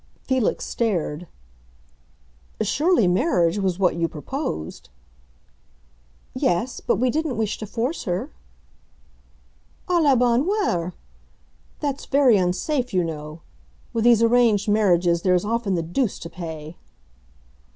Felix stared. "Surely, marriage was what you proposed." "Yes; but we didn't wish to force her." "A la bonne heure! That's very unsafe you know. With these arranged marriages there is often the deuce to pay."